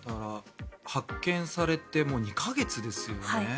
発見されてもう２か月ですよね。